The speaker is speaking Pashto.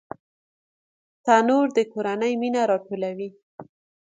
تنور د کورنۍ مینه راټولوي